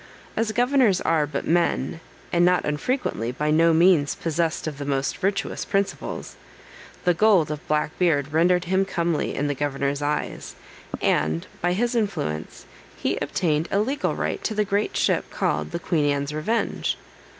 As governors are but men, and not unfrequently by no means possessed of the most virtuous principles, the gold of Black Beard rendered him comely in the governor's eyes, and, by his influence, he obtained a legal right to the great ship called "The Queen Anne's Revenge."